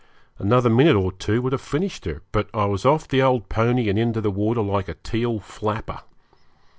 Another minute or two would have finished her, but I was off the old pony and into the water like a teal flapper.